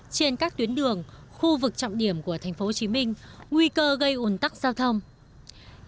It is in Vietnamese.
trên các tuyến đường khu vực trọng điểm của thành phố hồ chí minh nguy cơ gây ủn tắc giao thông